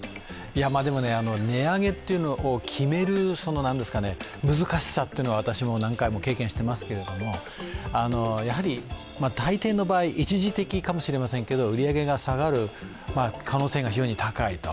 でもね、値上げというのを決める難しさというのは私も何回も経験していますけれどもやはり大抵の場合、一時的かもしれませんけど売上が下がる可能性が非常に高いと。